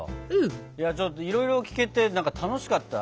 いやちょっといろいろ聞けてなんか楽しかった。